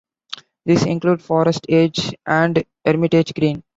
These include Forest Edge and Hermitage Green.